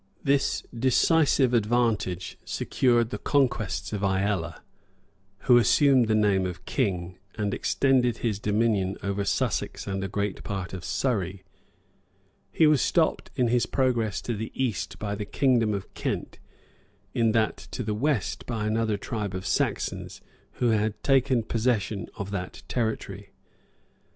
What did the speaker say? This decisive advantage secured the conquests of Ælla, who assumed the name of king, and extended his dominion over Sussex and a great part of Surrey He was stopped in his progress to the east by the kingdom of Kent; in that to the west by another tribe of Saxons, who had taken possession of that territory.